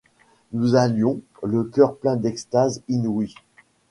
Nous allions, le. coeur plein d'extases inouïes